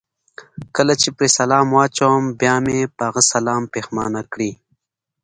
چې کله پرې سلام واچوم، بیا مې په هغه سلام پښېمانه کړي.